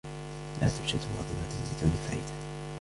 لا توجد وظيفة بدون فائدة.